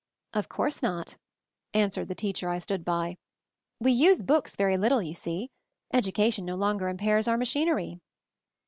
"Of course not," answered the teacher I stood by. "We use books very little, you see. Education no longer impairs our ma chinery."